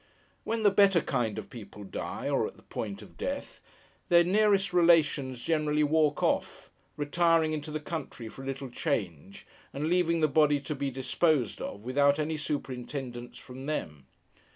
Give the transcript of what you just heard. When the better kind of people die, or are at the point of death, their nearest relations generally walk off: retiring into the country for a little change, and leaving the body to be disposed of, without any superintendence from them.